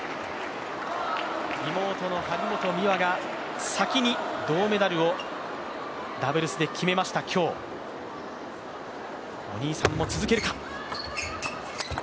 妹の張本美和が先に銅メダルをダブルスで決めました、今日、お兄さんも続けるか。